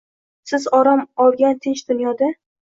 Siz orom olgan tinch dunyoda